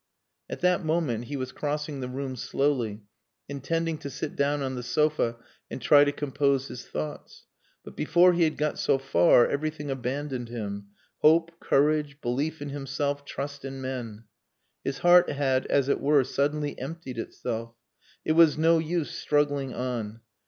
At that moment he was crossing the room slowly, intending to sit down on the sofa and try to compose his thoughts. But before he had got so far everything abandoned him hope, courage, belief in himself trust in men. His heart had, as it were, suddenly emptied itself. It was no use struggling on.